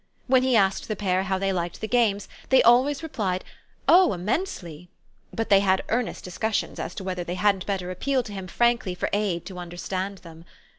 When he asked the pair how they liked the games they always replied "Oh immensely!" but they had earnest discussions as to whether they hadn't better appeal to him frankly for aid to understand them.